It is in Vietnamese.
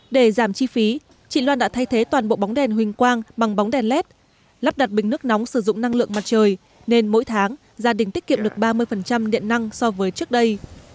để giảm chi phí chị loan đã thay thế toàn bộ bóng đèn huỳnh quang bằng bóng đèn led lắp đặt bình nước nóng sử dụng năng lượng mặt trời nên mỗi tháng gia đình tiết kiệm được ba mươi điện năng so với trước đây